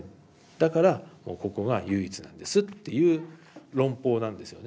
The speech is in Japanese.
だからここが唯一なんですっていう論法なんですよね。